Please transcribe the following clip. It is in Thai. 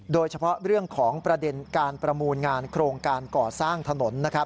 โดยเฉพาะเรื่องของประเด็นการประมูลงานโครงการก่อสร้างถนน